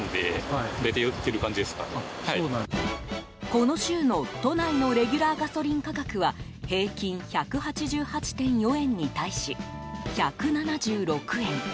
この週の都内のレギュラーガソリン価格は平均１８８．４円に対し１７６円。